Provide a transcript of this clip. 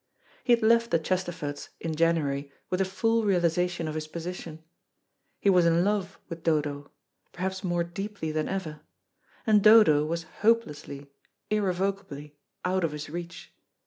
He had left the Chesterfords in January with a full realisation of his position. He was in love with Dodo, perhaps more deeply than ever, and Dodo was hopelessly, irrevocably out of his reach.